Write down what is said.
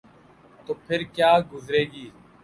تو پھرکیا گزرے گی؟